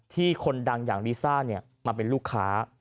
คนดังอย่างลิซ่ามาเป็นลูกค้า